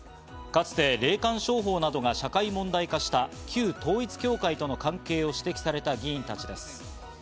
かつて霊感商法などが社会問題化した旧統一教会との関係を指摘された議員たちです。